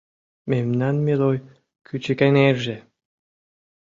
Мемнан милой Кӱчыкэҥерже